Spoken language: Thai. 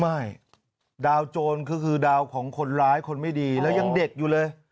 ไม่ดาวโจรก็คือดาวของคนร้ายคนไม่ดีแล้วยังเด็กอยู่เลย